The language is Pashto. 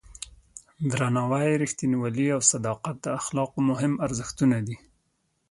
درناوی، رښتینولي او صداقت د اخلاقو مهم ارزښتونه دي.